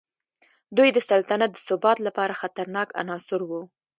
دوی د سلطنت د ثبات لپاره خطرناک عناصر وو.